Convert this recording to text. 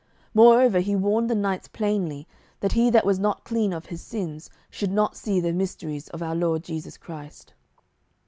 Moreover he warned the knights plainly that he that was not clean of his sins should not see the mysteries of our Lord Jesu Christ.